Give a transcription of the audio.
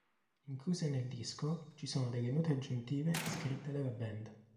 Incluse nel disco ci sono delle note aggiuntive scritte dalla band.